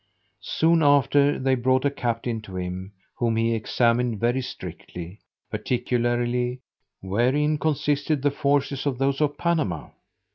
Soon after they brought a captain to him, whom he examined very strictly; particularly, wherein consisted the forces of those of Panama?